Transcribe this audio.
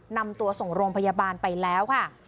นำตัวส่งโรงพยาบาลไปแล้วค่ะ